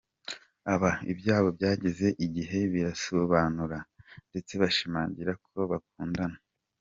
Aba, ibyabo byageze igiye birisobanura ndetse bashimangira ko bakundana.